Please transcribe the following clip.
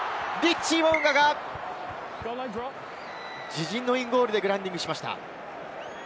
自陣のインゴールでグラウンディングしました。